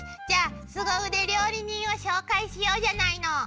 じゃあすご腕料理人を紹介しようじゃないの！